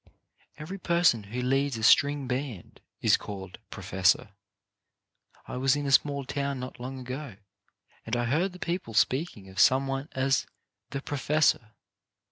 " Every person who leads a string band is called " Professor." I was in a small town not long ago, and I heard the people speaking of some one as "the profes sor."